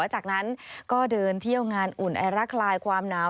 จากนั้นก็เดินเที่ยวงานอุ่นไอรักคลายความหนาว